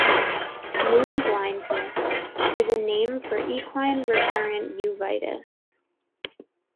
"Moon blindness" is a name for equine recurrent uveitis.